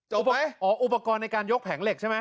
ไหมอ๋ออุปกรณ์ในการยกแผงเหล็กใช่ไหม